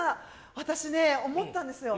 私ね、思ったんですよ。